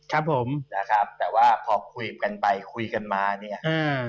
ครับผมนะครับแต่ว่าพอคุยกันไปคุยกันมาเนี่ยอืม